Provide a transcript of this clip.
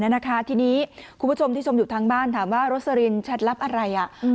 นะคะทีนี้คุณผู้ชมที่ชมอยู่ทางบ้านถามว่าโรสลินแชทลับอะไรอ่ะ